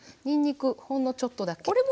にんにくほんのちょっとだけ。